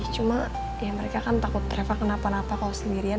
cuma ya mereka kan takut travel kenapa napa kalau sendirian